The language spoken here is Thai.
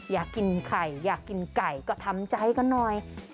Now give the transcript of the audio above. อยากกินไข่อยากกินไก่ก็ทำใจกันหน่อย